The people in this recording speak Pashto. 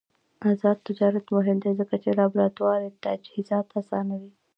آزاد تجارت مهم دی ځکه چې لابراتوار تجهیزات اسانوي.